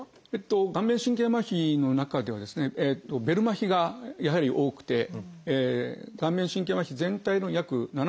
顔面神経麻痺の中ではベル麻痺がやはり多くて顔面神経麻痺全体の約７０％を占めます。